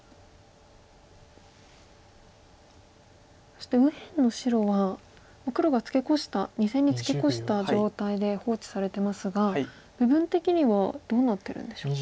そして右辺の白は黒が２線にツケコした状態で放置されてますが部分的にはどうなってるんでしょう。